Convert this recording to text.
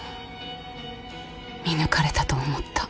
見抜かれたと思った。